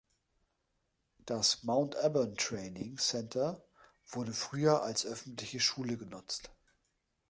Das Mount Auburn Training Center wurde früher als öffentliche Schule genutzt.